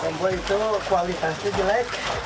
kompor itu kualitasnya jelek